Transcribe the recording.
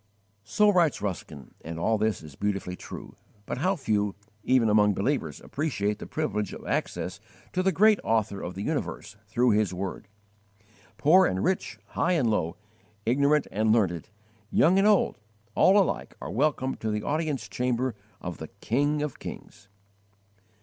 So writes Ruskin, and all this is beautifully true; but how few, even among believers, appreciate the privilege of access to the great Author of the universe through His word! Poor and rich, high and low, ignorant and learned, young and old, all alike are welcomed to the audience chamber of the King of kings.